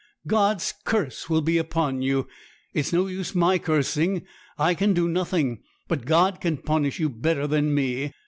God's curse will be upon you. It's no use my cursing; I can do nothing; but God can punish you better than me.